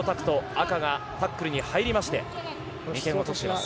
赤がタックルに入りまして２点を取っています。